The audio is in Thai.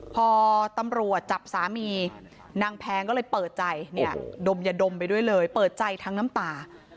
พอตำรวจจับสามีนางแพงก็เลยเปิดใจเนี่ยดมยาดมไปด้วยเลยเปิดใจทั้งน้ำตา